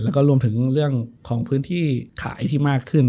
แล้วก็รวมถึงเรื่องของพื้นที่ขายที่มากขึ้น